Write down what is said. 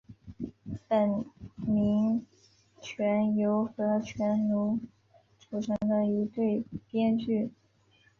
木皿泉由和泉努组成的一对编剧。